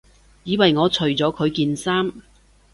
以為我除咗佢件衫